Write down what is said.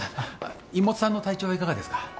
妹さんの体調はいかがですか？